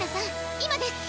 今です！